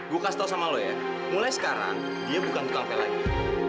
gue kasih tau sama lo ya mulai sekarang dia bukan tukang pelay